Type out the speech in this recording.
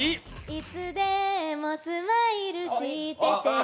いつでもスマイルしててね